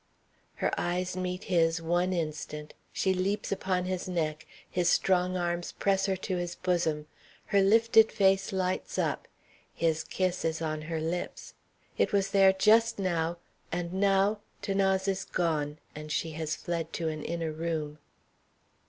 Her eyes meet his one instant she leaps upon his neck his strong arms press her to his bosom her lifted face lights up his kiss is on her lips it was there just now, and now 'Thanase is gone, and she has fled to an inner room.